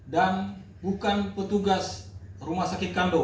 dan bukan petugas rumah sakit kandow